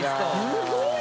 すごい。